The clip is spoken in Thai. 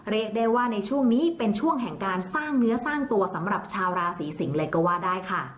เรียกได้ว่าในช่วงนี้เป็นช่วงแห่งการสร้างเนื้อสร้างตัวสำหรับชาวราศีสิงศ์เลยก็ว่าได้ค่ะ